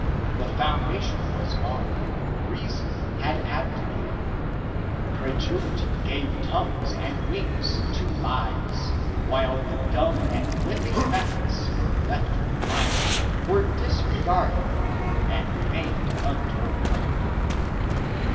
The foundation was gone reason had abdicated. Credulity gave tongues and wings to lies, while the dumb and limping facts were left behind were disregarded and remained untold.